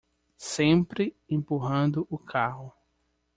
Sempre empurrando o carro